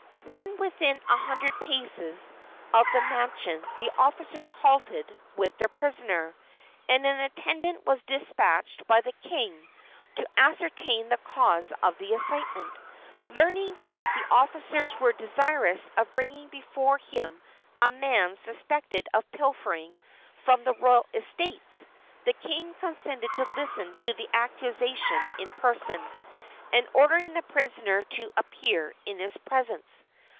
When within a hundred paces of the mansion the officers halted with their prisoner, and an attendant was despatched by the king to ascertain the cause of the excitement. Learning that the officers were desirous of bringing before him a man suspected of pilfering from the royal estates, the king consented to listen to the accusation in person, and ordered the prisoner to appear in his presence.